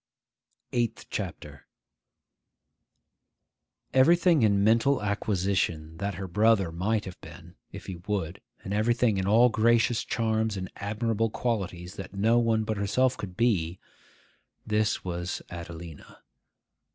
EIGHTH CHAPTER EVERYTHING in mental acquisition that her brother might have been, if he would, and everything in all gracious charms and admirable qualities that no one but herself could be,—this was Adelina.